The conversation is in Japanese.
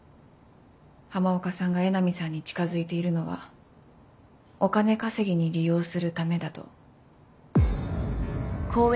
浜岡さんが江波さんに近づいているのはお金稼ぎに利用するためだと。